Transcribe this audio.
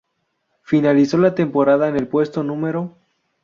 Finalizó la temporada en el puesto No.